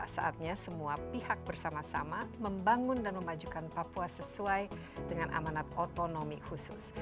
saatnya semua pihak bersama sama membangun dan memajukan papua sesuai dengan amanat otonomi khusus